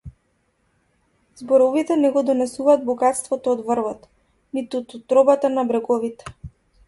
Зборовите не го донесуваат богатството од врвот, ниту она од утробата на бреговите.